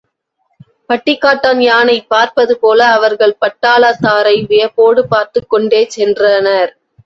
பட்டிக்காட்டான் யானை பார்ப்பது போல் அவர்கள் பட்டாளத்தாரை வியப்போடு பார்த்துக்கொண்டே சென்றனர்.